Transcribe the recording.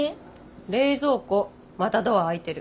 冷蔵庫またドア開いてる。